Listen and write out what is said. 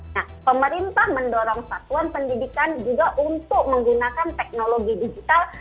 nah pemerintah mendorong satuan pendidikan juga untuk menggunakan teknologi digital